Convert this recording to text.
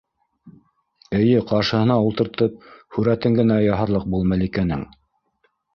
Эйе, ҡаршыһына ултыртып һүрәтен генә яһарлыҡ был Мәликәнең.